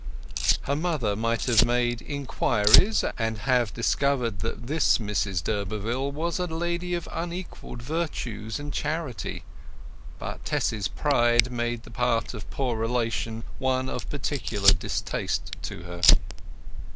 Her mother might have made inquiries, and have discovered that this Mrs d'Urberville was a lady of unequalled virtues and charity. But Tess's pride made the part of poor relation one of particular distaste to her.